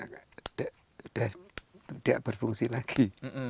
tidak berfungsi lagi